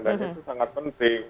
dan itu sangat penting